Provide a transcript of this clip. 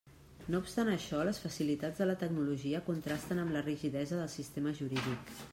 No obstant això, les facilitats de la tecnologia contrasten amb la rigidesa del sistema jurídic.